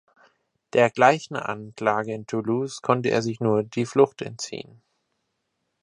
Der gleichen Anklage in Toulouse konnte er sich nur die Flucht entziehen.